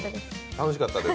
楽しかったです。